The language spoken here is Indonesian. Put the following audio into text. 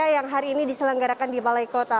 yang hari ini diselenggarakan di balai kota